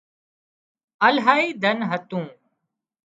الاهي ڌن هتون